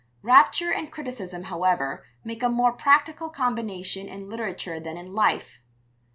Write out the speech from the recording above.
Rapture and criticism, however, make a more practical combination in literature than in life.